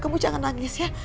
kamu jangan nangis ya